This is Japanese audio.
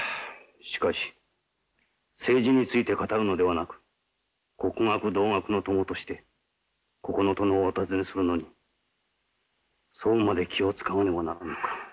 しかし政治について語るのではなく国学同学の友としてここの殿をお訪ねするのにそうまで気を遣わねばならんのか。